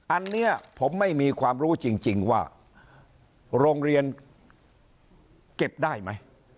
อันนี้ผมไม่มีความรู้จริงว่าโรงเรียนเก็บได้ไหม